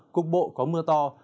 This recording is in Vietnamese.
cục bộ có mưa to